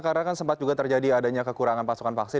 karena kan sempat juga terjadi adanya kekurangan pasokan vaksin